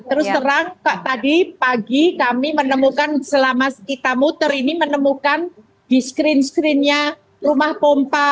terus terang tadi pagi kami menemukan selama kita muter ini menemukan di screen screen nya rumah pompa